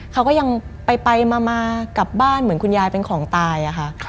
เขาก็ยังไปมากลับบ้านเหมือนคุณยายเป็นของตายอะค่ะ